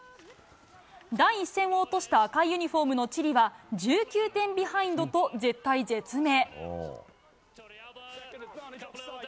第１戦を落とした赤いユニホームのチリは、１９点ビハインドと、絶体絶命。